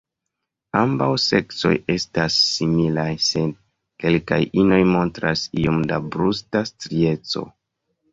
Ambaŭ seksoj estas similaj, sed kelkaj inoj montras iom da brusta strieco.